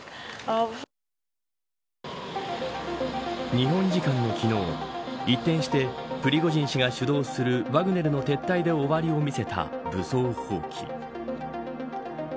日本時間の昨日一転してプリゴジン氏が主導するワグネルの撤退で終わりを見せた武装放棄。